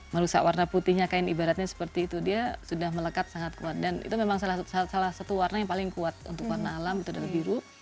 merusak warna putihnya kain ibaratnya seperti itu dia sudah melekat sangat kuat dan itu memang salah satu warna yang paling kuat untuk warna alam itu adalah biru